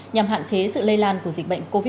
nhằm hạn chế sự lây lan của dịch bệnh covid một mươi chín